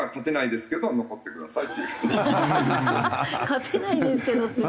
「勝てないですけど」って前提？